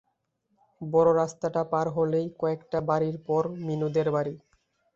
বড় রাস্তাটা পার হলেই কয়েকটা বাড়ির পর মিনুদের বাড়ি।